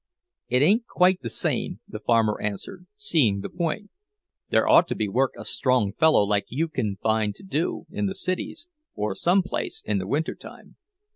"It ain't quite the same," the farmer answered, seeing the point. "There ought to be work a strong fellow like you can find to do, in the cities, or some place, in the winter time."